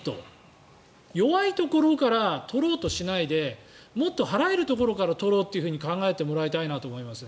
弱いところから取ろうとしないでもっと払えるところから取ろうと考えてもらいたいと思います。